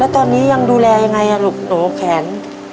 ตอนนี้ยังดูแลยังไงลูกหนูแขน